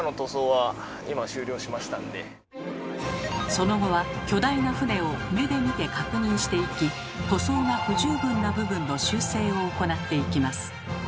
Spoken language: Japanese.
その後は巨大な船を目で見て確認していき塗装が不十分な部分の修正を行っていきます。